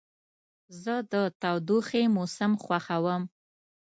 زه د تودوخې موسم خوښوم.